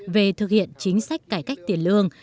về thực hiện chính sách cải cách tiền lương